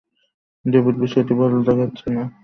David, বিষয়টা ভালো দেখাচ্ছে না!